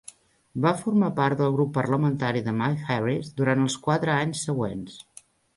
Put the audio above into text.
Va formar part del grup parlamentari de Mike Harris durant els quatre anys següents.